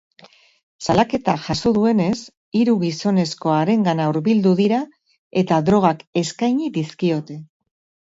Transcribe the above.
Salaketak jaso duenez, hiru gizonezko harengana hurbildu dira eta drogak eskaini dizkiote.